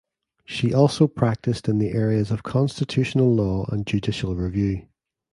She also practiced in the areas of constitutional law and judicial review.